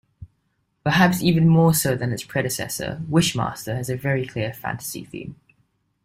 Perhaps even more so than its predecessor, "Wishmaster" has a very clear fantasy theme.